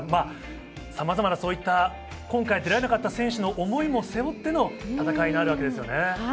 さまざまな今回、出られなかった選手の思いも背負っての戦いになるわけですよね。